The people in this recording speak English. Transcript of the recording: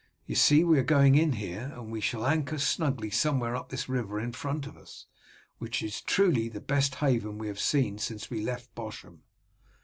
"You see we are going in here, and shall anchor snugly somewhere up this river in front of us, which is truly the best haven we have seen since we left Bosham."